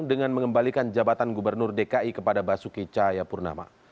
dengan mengembalikan jabatan gubernur dki kepada basuki cahayapurnama